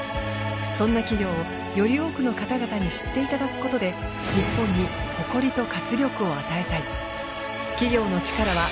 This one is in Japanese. そんな企業をより多くの方々に知っていただくことで日本に誇りと活力を与えたい。